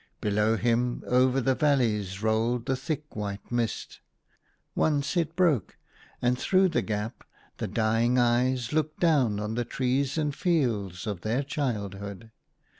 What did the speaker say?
Below him over the valleys rolled the thick white mist. Once it broke ; and through the gap the dying eyes looked down on the trees and fields of their childhood.